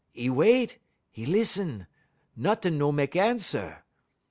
"'E wait, 'e lissun; nuttin' no mek answer.